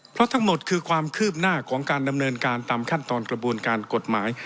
เพราะทั้งหมดคือความคืบหน้าของการดำเนินการตามขั้นตอนกระบวนการกฎหมาย